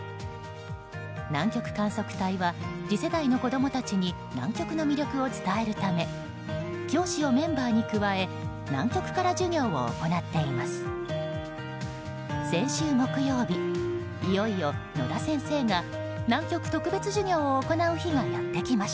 南極観測隊は次世代の子供たちに南極の魅力を伝えるため教師をメンバーに加え南極から授業を行っています。